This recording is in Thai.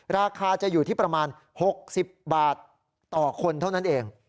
ราคาจะอยู่ที่ประมาณ๖๐บาทต่อคนเท่านั้นเอง